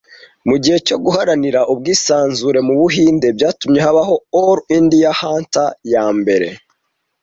Mugihe cyo guharanira ubwisanzure mu Buhinde, byatumye habaho 'All India Hartal' ya mbere